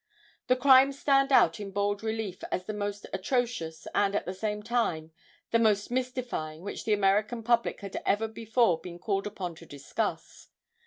The crimes stand out in bold relief as the most atrocious, and at the same time, the most mystifying which the American public had ever before been called upon to discuss.